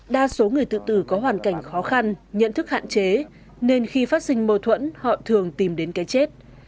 đa số người tự tử có hoàn cảnh khó khăn nhận thức hạn chế nên khi phát sinh mâu thuẫn họ thường tìm đến cái chết